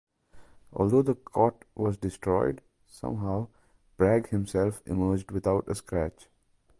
Although the cot was destroyed, somehow Bragg himself emerged without a scratch.